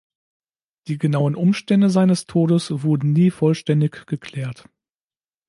Die genauen Umstände seines Todes wurden nie vollständig geklärt.